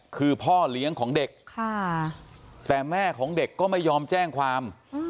คือพ่อเลี้ยงของเด็กแต่แม่ของเด็กก็ไม่ยอมแจ้งความ